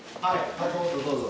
どうぞどうぞ。